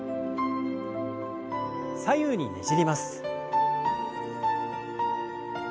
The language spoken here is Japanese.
左右にねじります。